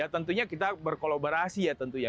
tentunya kita berkolaborasi ya tentunya